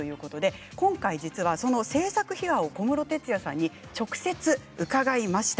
今回その制作秘話を小室哲哉さんに直接伺いました。